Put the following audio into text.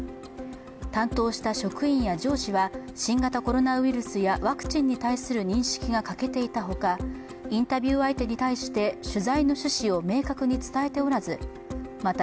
担当した職員や上司は新型コロナウイルスやワクチンに対する認識が欠けていたほかインタビュー相手に対して取材の趣旨を明確に伝えておらずまた